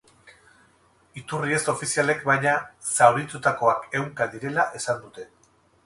Iturri ez ofizialek, baina, zauritutakoak ehunka direla esan dute.